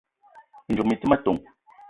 Mi ndzouk mi te ma ton: